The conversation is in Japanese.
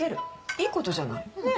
いいことじゃないねぇ。